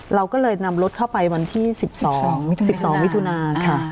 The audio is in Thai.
เราก็เลยนำรถเข้าไปวันที่๑๒๑๒มิถุนาค่ะ